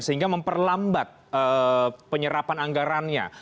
sehingga memperlambat penyerapan anggarannya